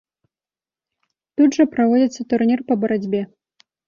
Тут жа праводзіцца турнір па барацьбе.